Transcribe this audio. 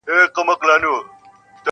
ته ګرځې لالهانده پسي شیخه ما لیدلي-